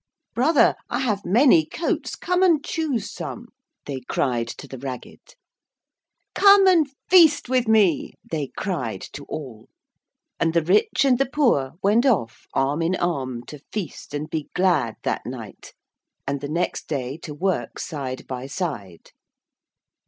'Brother, I have many coats, come and choose some,' they cried to the ragged. 'Come and feast with me!' they cried to all. And the rich and the poor went off arm in arm to feast and be glad that night, and the next day to work side by side.